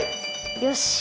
よし！